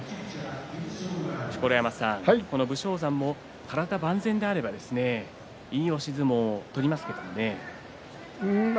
錣山さん、武将山も体万全であればいい押し相撲を取りますけれどもね。